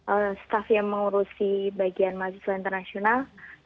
atasnya mengurusi bagian mahasiswa internasional